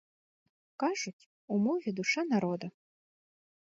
Кажуць, у мове душа народа.